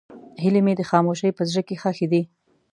هیلې مې د خاموشۍ په زړه کې ښخې دي.